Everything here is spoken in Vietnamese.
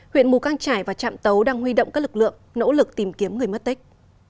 huyện mù căng trải và trạm tấu đang huy động các lực lượng nỗ lực tìm kiếm người mất tích